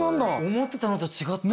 思ってたのと違った。